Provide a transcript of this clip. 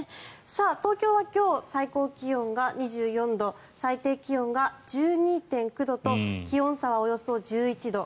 東京は今日、最高気温が２４度最低気温が１２．９度と気温差はおよそ１１度。